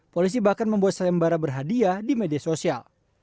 polisi bahkan membuat sayembara berhadiah di media sosial